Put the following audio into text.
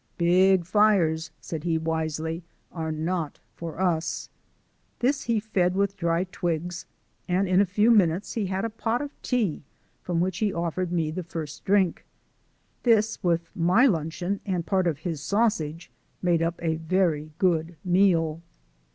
("Big fires," said he wisely, "are not for us.") This he fed with dry twigs, and in a very few minutes he had a pot of tea from which he offered me the first drink. This, with my luncheon and part of his sausage, made up a very good meal.